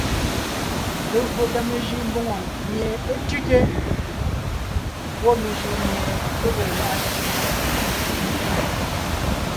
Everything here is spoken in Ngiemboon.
Legÿo tà mejʉʼ mbòŋo mie é tʉ́te; gwɔ́ mejʉʼ mié é ge lá’a tsẅé.